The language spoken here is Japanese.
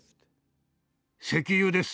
石油です。